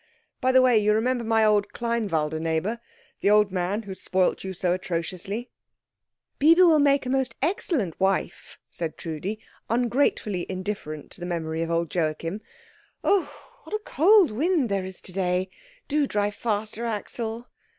By the way, you remember my old Kleinwalde neighbour? The old man who spoilt you so atrociously?" "Bibi will make a most excellent wife," said Trudi, ungratefully indifferent to the memory of old Joachim. "Oh, what a cold wind there is to day. Do drive faster, Axel.